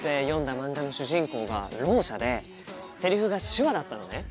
漫画の主人公がろう者でセリフが手話だったのね。